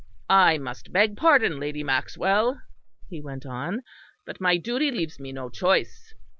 "I must beg pardon, Lady Maxwell," he went on, "but my duty leaves me no choice."